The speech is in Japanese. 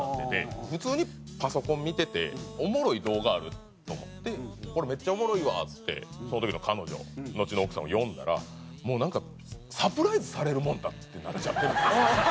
普通にパソコン見てておもろい動画あると思って「これめっちゃおもろいわ」っつってその時の彼女のちの奥さんを呼んだらもうなんかサプライズされるもんだってなっちゃってるですよ。